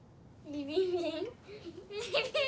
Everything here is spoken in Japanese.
ビビビン？